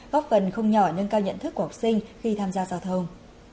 góp phần không nhỏ nâng cao nhận thức của học sinh khi tham gia giao thông